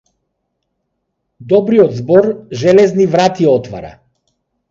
Добриот збор железни врати отвара.